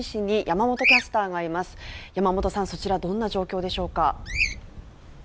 山本さん、そちらどんな状況でしょうか。